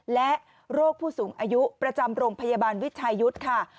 และโรคผู้สูงอายุประจำโรงพยาบาลวิชายุทธ์ค่ะ